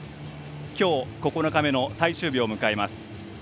きょう９日目の最終日を迎えます。